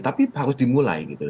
tapi harus dimulai gitu